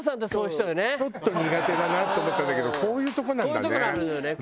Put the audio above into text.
ちょっと苦手だなと思ってたんだけどこういうとこなんだね。